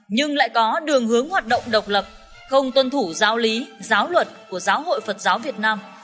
nhưng lại có đường hướng hoạt động độc lập không tuân thủ giáo lý giáo luật của giáo hội phật giáo việt nam